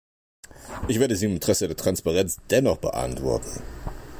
Ich werde sie im Interesse der Transparenz dennoch beantworten.